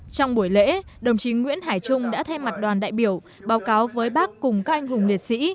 trong buổi lễ đồng chí nguyễn hải trung đã thay mặt đoàn đại biểu báo cáo với bác cùng các anh hùng liệt sĩ